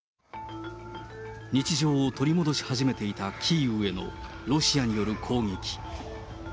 日常を取り戻し始めていたキーウへの、ロシアによる攻撃。